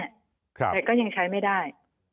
แต่ก็ยังใช้ไม่ได้